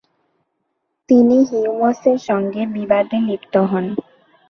তিনি হিউমসের সঙ্গে বিবাদে লিপ্ত হন।